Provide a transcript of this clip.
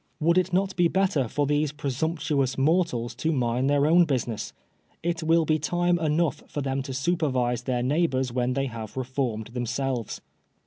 Would it not be better for these presumptuous 56 FSISONEB TOn BLASPHEMY. mortals to mind their own bttsiness ? It will be time enough for them to supervise their neighbors when they have reformed themselves.